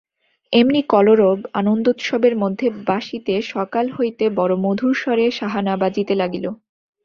এমনি কলরব আনন্দোৎসবের মধ্যে বাঁশিতে সকাল হইতে বড়ো মধুর স্বরে সাহানা বাজিতে লাগিল।